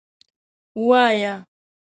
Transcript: _وايه.